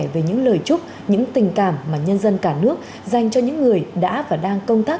về những lời chúc những tình cảm mà nhân dân cả nước dành cho những người đã và đang công tác